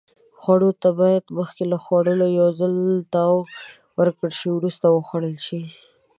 خوړو ته باید مخکې له خوړلو یو ځل تاو ورکړل شي. وروسته وخوړل شي.